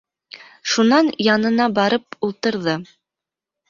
Шунан янына барып ултырҙы: